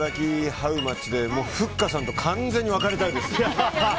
ハウマッチでふっかさんと完全に別れたいです。